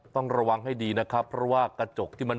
ต้องระวังให้ดีนะครับเพราะว่ากระจกที่มัน